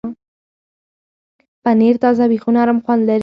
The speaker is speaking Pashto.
پنېر تازه وي نو نرم خوند لري.